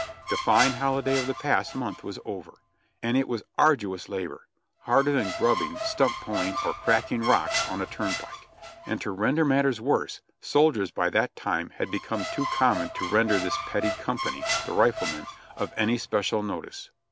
The fine holiday of the past month was over, and it was arduous labor, harder than grubbing, stump pulling, or cracking rocks on a turnpike ; and to render mat ters worse, soldiers by that time had become too common to ren der this petted company (The Riflemen) of any special notice.